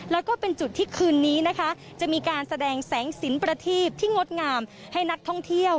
แล้วก็เป็นจุดที่คืนนี้นะคะจะมีการแสดงแสงสินประทีบที่งดงามให้นักท่องเที่ยว